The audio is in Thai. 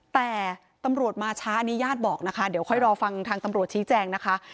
แต่ตำรวจมาช้าอันนี้ญาติบอกนะคะเดี๋ยวค่อยรอฟังทางตำรวจชี้แจงนะคะ